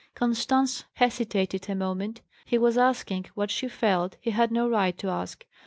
Constance hesitated a moment. He was asking what she felt he had no right to ask.